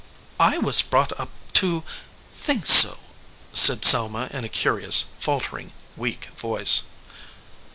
"I was brought up to think so," said Selma in a curious, faltering, weak voice.